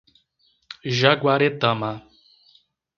Jaguaretama